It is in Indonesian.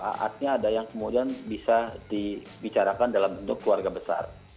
artinya ada yang kemudian bisa dibicarakan dalam bentuk keluarga besar